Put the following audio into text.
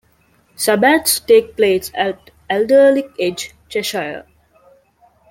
Sabbats take place at Alderley Edge, Cheshire.